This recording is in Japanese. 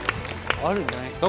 あるんじゃないですか？